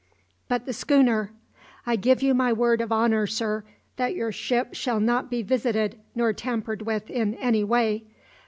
"But the schooner " "I give you my word of honour, sir, that your ship shall not be visited nor tampered with in any way.